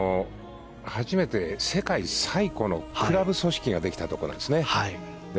初めて世界最古のクラブ組織ができたところなんですね。